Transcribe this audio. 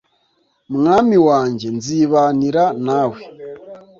mwami wanjye nzibanira nawe